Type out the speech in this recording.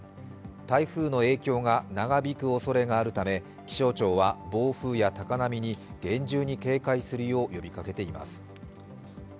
台風の影響が長引くおそれがあるため気象庁は暴風や高波に厳重に警戒するよう呼びかけています。